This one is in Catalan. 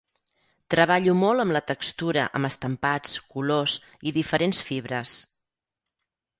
Treballo molt amb la textura, amb estampats, colors i diferents fibres.